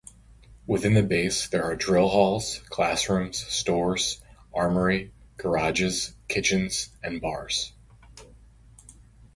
Within the base there are drill halls, classrooms, stores, armoury, garages kitchens and bars.